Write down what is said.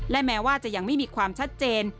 และแม้ว่าจะยังไม่มีความชัดเจน